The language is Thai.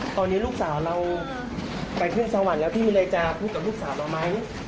ตอนนี้ลูกสาวเราไปเที่ยวสวรรค์แล้วพี่เลยจะพูดกับลูกสาวเราไหม